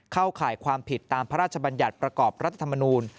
เข้าข่ายความผิดตามพระราชบัญญัติประกอบรัฐธรรมนูล